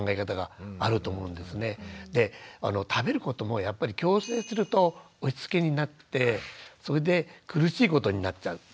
で食べることもやっぱり強制すると押しつけになってそれで苦しいことになっちゃう。